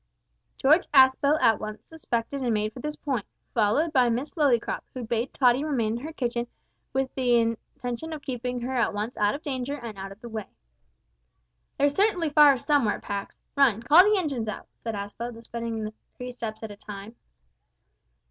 George Aspel at once suspected and made for this point, followed by Miss Lillycrop, who bade Tottie remain in her kitchen, with the intention of keeping her at once out of danger and out of the way. "There's certainly fire somewhere, Pax; run, call the engines out," said Aspel, descending three steps at a time.